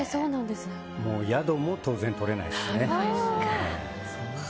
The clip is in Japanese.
宿も当然とれないですね。